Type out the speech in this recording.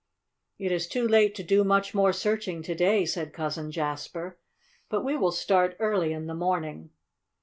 "It is too late to do much more searching to day," said Cousin Jasper, "but we will start early in the morning."